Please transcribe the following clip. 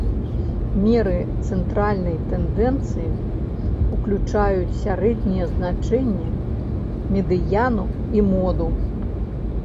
Меры цэнтральнай тэндэнцыі ўключаюць сярэдняе значэнне, медыяну і моду.